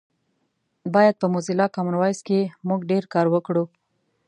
باید په موزیلا کامن وایس کې مونږ ډېر کار وکړو